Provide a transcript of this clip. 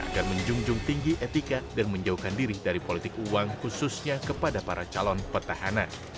menjunjung tinggi etika dan menjauhkan diri dari politik uang khususnya kepada para calon pertahanan